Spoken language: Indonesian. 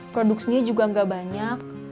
produksinya juga enggak banyak